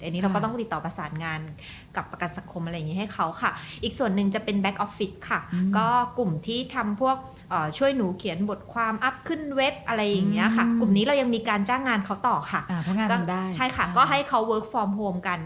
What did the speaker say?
อันนี้เราก็ต้องติดต่อประสานงานกับประกันสังคมอะไรอย่างนี้ให้เขาค่ะ